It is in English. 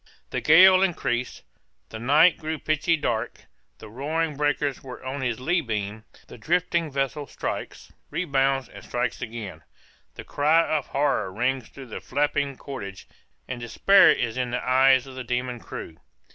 The gale increased the night grew pitchy dark the roaring breakers were on his lee beam the drifting vessel strikes, rebounds, and strikes again the cry of horror rings through the flapping cordage, and despair is in the eyes of the demon crew.